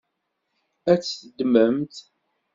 Ad t-ddment?